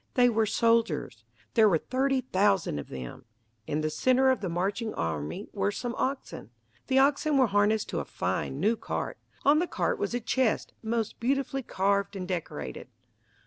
They were soldiers. There were thirty thousand of them. In the center of the marching army were some oxen. The oxen were harnessed to a fine, new cart. On the cart was a chest, most beautifully carved and decorated.